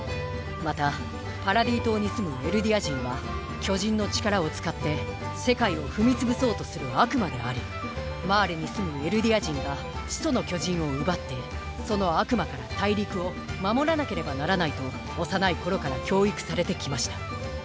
またパラディ島に住むエルディア人は巨人の力を使って世界を踏み潰そうとする悪魔でありマーレに住むエルディア人が「始祖の巨人」を奪ってその悪魔から大陸を守らなければならないと幼い頃から教育されてきました。